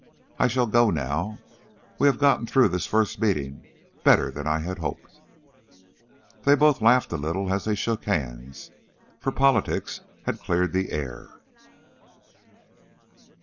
I shall go now. We have gotten through this first meeting better than I had hoped." They both laughed a little as they shook hands, for politics had cleared the air.